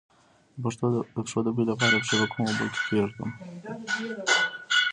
د پښو د بوی لپاره پښې په کومو اوبو کې کیږدم؟